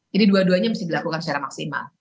jadi dua duanya mesti dilakukan secara maksimal